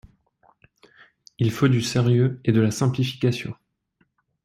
Il faut du sérieux et de la simplification.